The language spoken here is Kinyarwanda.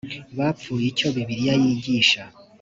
bapfuye icyo bibiliya yigisha